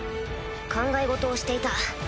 考え事をしていた。